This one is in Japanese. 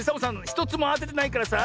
ひとつもあててないからさ